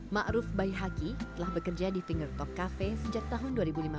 ma'ruf bayhagi telah bekerja di fingertop cafe sejak tahun dua ribu lima belas